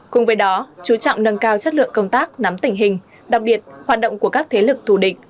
cùng với đó chú trọng nâng cao chất lượng công tác nắm tình hình đặc biệt hoạt động của các thế lực thù địch